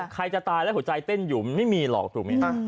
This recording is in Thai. ใครจะตายแล้วหัวใจเต้นอยู่มันไม่มีหรอกถูกไหม